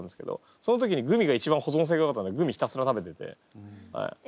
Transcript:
その時にグミが一番保存性がよかったんでグミひたすら食べてて。